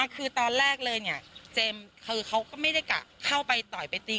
คือตอนแรกเลยเนี่ยเจมส์คือเขาก็ไม่ได้กะเข้าไปต่อยไปตี